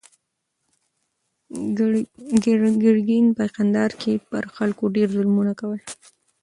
ګرګین په کندهار کې پر خلکو ډېر ظلمونه کول.